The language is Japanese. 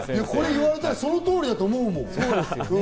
これ言われたら、その通りだと思うもん。